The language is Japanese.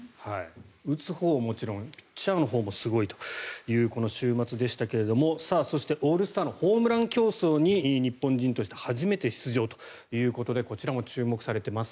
打つほうはもちろんピッチャーのほうもすごいという週末でしたけどそしてオールスターのホームラン競争に日本人として初めて出場ということでこちらも注目されています。